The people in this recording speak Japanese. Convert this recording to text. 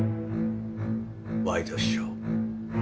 ワイドショー。